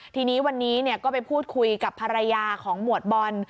ทีนี้วันนี้ก็ไปพูดคุยกับภรรยาของหมวดบอล